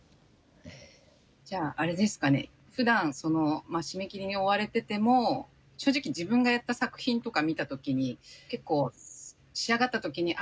じゃああれですかねふだん締め切りに追われてても正直自分がやった作品とか見た時に結構仕上がった時にあ